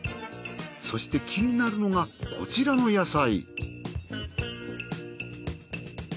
そして気になるのがこちらの野菜。